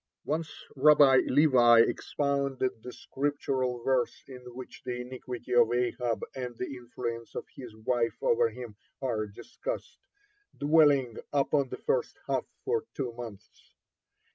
Once Rabbi Levi expounded the Scriptural verse in which the iniquity of Ahab and the influence of his wife over him are discussed, dwelling upon the first half for two months.